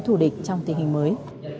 thù địch trong tình hình mới